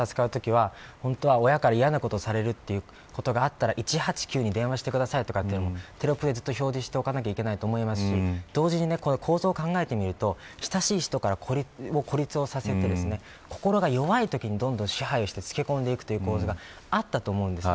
親から嫌なことをされることがあったら１８９に電話してくださいとかテロップで表示しておかないといけないと思いますし同時に、この構造を考えると親しい人から孤立をさせる心が弱いときに、どんどん支配をしてつけ込んでいくという構図があったと思うんです。